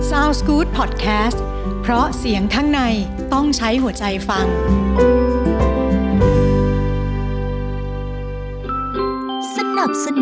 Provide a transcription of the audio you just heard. โรงพยาบาลปาโลรักษายังเข้าถึงดูแลยังเข้าใจ